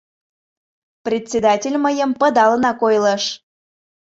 Председатель мыйым пыдалынак ойлыш.